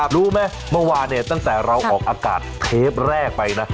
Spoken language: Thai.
รู้ไหมเมื่อวานเนี่ยตั้งแต่เราออกอากาศเทปแรกไปนะ